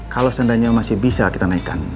kalau seandainya masih bisa kita naikkan